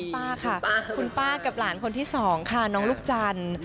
ป้าค่ะคุณป้ากับหลานคนที่สองค่ะน้องลูกจันทร์